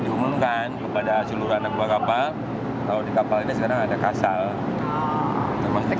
diumumkan kepada seluruh anak bua kapal di kapal ini sekarang ada kasal dan